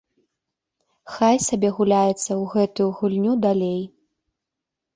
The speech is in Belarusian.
Хай сабе гуляецца ў гэтую гульню далей.